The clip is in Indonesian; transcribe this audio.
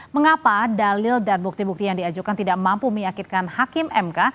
mengapa dalil dan bukti bukti yang diajukan tidak mampu meyakinkan hakim mk